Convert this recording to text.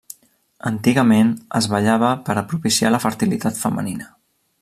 Antigament, es ballava per a propiciar la fertilitat femenina.